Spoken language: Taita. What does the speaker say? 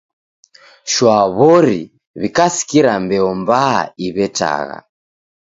Shwa w'ori, w'ikasikira mbeo mbaa iw'etagha.